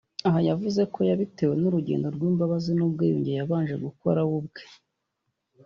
Aha yavuze ko yabitewe n’urugendo rw’imbabazi n’ubwiyunge yabanje gukora we ubwe